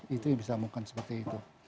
itu yang bisa mungkin seperti itu